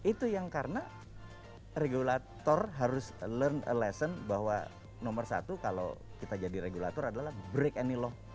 itu yang karena regulator harus learn a lesson bahwa nomor satu kalau kita jadi regulator adalah break any law